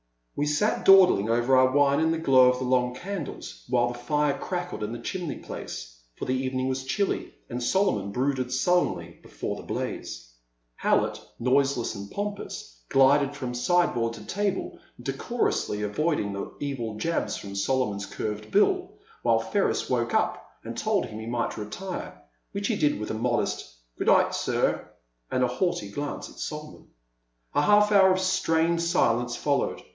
We sat dawdling over our wine in the glow of the long candles while the fire crackled in the chimney place ; for the evening was chilly, and Solomon brooded sullenly before the blaze. How lett, noiseless and pompous, glided from side board to table, decorously avoiding the evil jabs from Solomon's curved bill, until Ferris woke up and told him he might retire, which he did with a modest good night, sir,'* and a haughty glance at Solomon, A half hour of strained silence fol lowed.